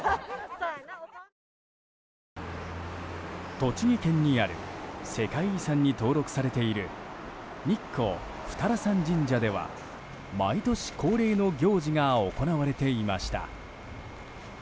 栃木県にある世界遺産に登録されている日光二荒山神社では毎年恒例の行事が行われていました。